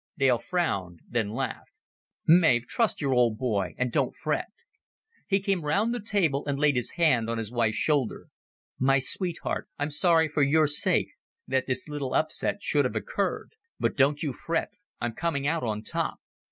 Dale frowned, then laughed. "Mav, trust your old boy, and don't fret." He came round the table, and laid his hand on his wife's shoulder. "My sweetheart, I'm sorry, for your sake, that this little upset should have occurred. But don't you fret. I'm coming out on top.